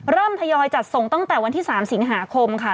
ทยอยจัดส่งตั้งแต่วันที่๓สิงหาคมค่ะ